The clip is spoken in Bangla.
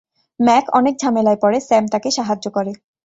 ম্যাক অনেক ঝামেলায় পড়ে, স্যাম তাকে সাহায্য করে।